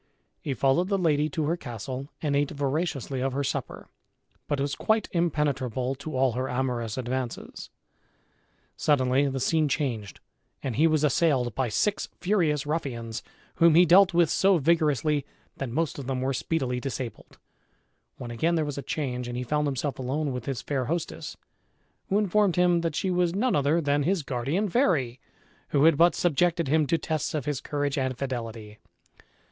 He followed the lady to her castle and ate voraciously of her supper, but was quite impenetrable to all her amorous advances. Suddenly the scene changed and he was assailed by six furious ruffians, whom he dealt with so vigorously that most of them were speedily disabled, when again there was a change and he found himself alone with his fair hostess, who informed him that she was none other than his guardian fairy, who had but subjected him to tests of his courage and fidelity.